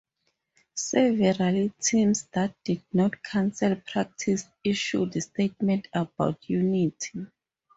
Several teams that did not cancel practice issued statements about unity.